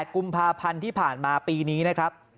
กุมภาพันธ์ที่ผ่านมาปีนี้นะครับ